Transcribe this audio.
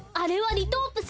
リトープス？